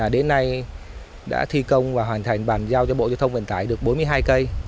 đến nay đã thi công và hoàn thành bàn giao cho bộ giao thông vận tải được bốn mươi hai cây